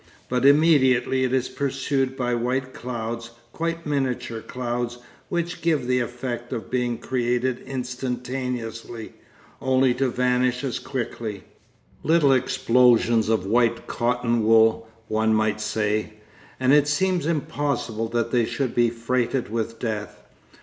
But immediately it is pursued by white clouds, quite miniature clouds, which give the effect of being created instantaneously, only to vanish as quickly little explosions of white cotton wool, one might say and it seems impossible that they should be freighted with death.